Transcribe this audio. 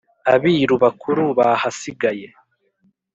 abiru bakurú bahasigáye